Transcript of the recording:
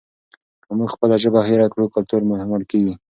که موږ خپله ژبه هېره کړو کلتور مو مړ کیږي.